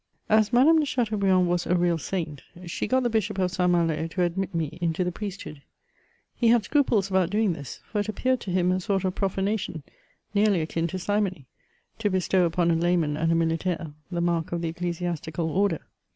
As Madame de Chateaubriand was a real Saint, she got the bishop of Saint Malo to admit me into the priesthood ; he had scruples about doing this ; for it appeared to him a sort of profa* nation, nearly akin to simony, to bestow upon a layman and a militaire the mark of the ecclesiastical order.